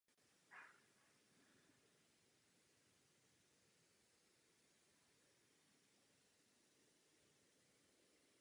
Podle uvedené dohody se zóna nedotýká členských států.